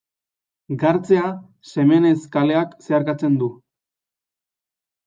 Gartzea Semenez kaleak zeharkatzen du.